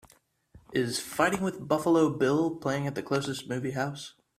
Is Fighting With Buffalo Bill playing at the closest movie house